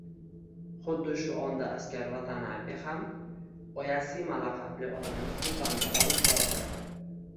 Xuddi shu onda askar Vatanabe ham Oyasima laqabli otini suvdonga olib bordi